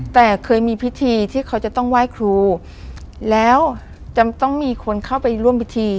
แต่เคยมีพิธีที่เขาจะต้องไหว้ครูแล้วจะต้องมีคนเข้าไปร่วมพิธี